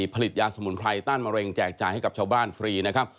ผลิตยาสมุนไพรต้านมะเร็งแจกจ่ายให้กับชาวบ้านฟรีนะครับ